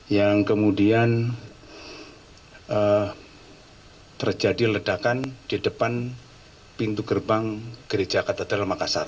yang kemudian terjadi ledakan di depan pintu gerbang gereja katedral makassar